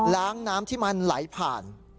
น้ำที่มันไหลผ่าน